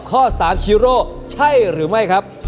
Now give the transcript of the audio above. ข้อ๓ชีโร่ใช่หรือไม่ครับ